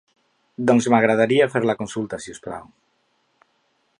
Doncs m'agradaria fer la consulta, si us plau.